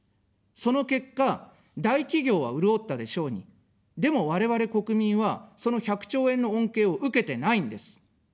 その結果、大企業は潤ったでしょうに、でも我々、国民は、その１００兆円の恩恵を受けてないんです。